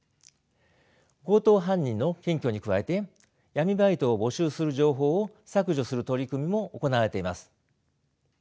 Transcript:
強盗犯人の検挙に加えて闇バイトを募集する情報を削除する取り組みも行われています。